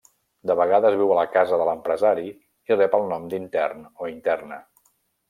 De vegades viu a la casa de l'empresari i rep el nom d'intern o interna.